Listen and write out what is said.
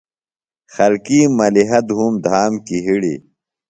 خلکِیم ملِیحہ دُھوم دھام کیۡ ہِڑیۡ۔